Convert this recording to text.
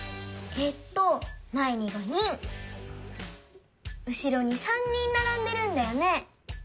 えっとまえに５人うしろに３人ならんでるんだよね。